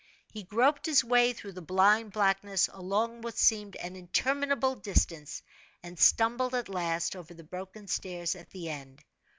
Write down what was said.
He groped his way through the blind blackness along what seemed an interminable distance, and stumbled, at last, over the broken stairs at the end.